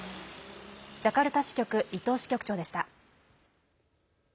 ジャカルタ支局伊藤支局長でした。